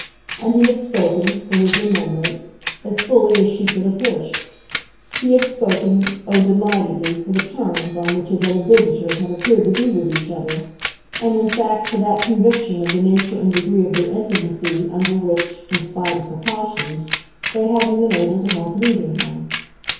And he had spoken, for his remembrance, as fully as she could have wished; he had spoken, oh, delightedly, for the "terms" on which his other visitors had appeared to be with each other, and in fact for that conviction of the nature and degree of their intimacy under which, in spite of precautions, they hadn't been able to help leaving him.